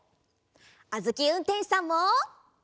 あづきうんてんしさんも！